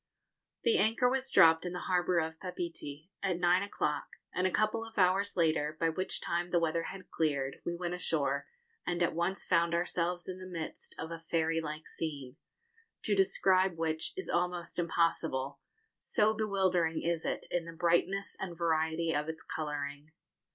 The anchor was dropped in the harbour of Papeete at nine o'clock, and a couple of hours later, by which time the weather had cleared, we went ashore, and at once found ourselves in the midst of a fairy like scene, to describe which is almost impossible, so bewildering is it in the brightness and variety of its colouring.